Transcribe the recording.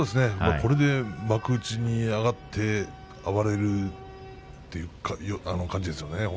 これで幕内に上がれるかという感じですね。